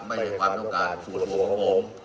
ไม่ใช่ความต้องการสู่สู่ของผม